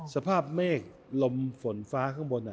สภาพเมฆลมฝนฟ้าข้างบน